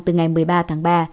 từ ngày một mươi ba tháng ba